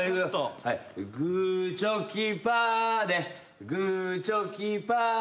「グーチョキパーでグーチョキパーで」